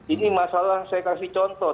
ini masalah saya kasih contoh